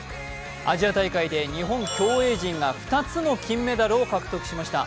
アジア大会で日本競泳陣が２つの金メダルを獲得しました。